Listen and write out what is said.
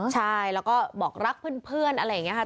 ใช่แล้วก็บอกรักเพื่อนอะไรอย่างนี้ค่ะ